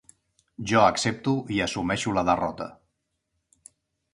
Jo accepto i assumeixo la derrota.